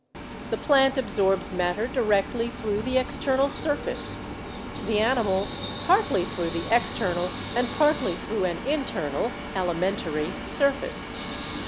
The plant absorbs matter directly through the external surface; the animal partly through the external and partly through an internal (alimentary) surface.